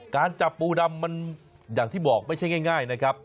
จับปูดำมันอย่างที่บอกไม่ใช่ง่ายนะครับ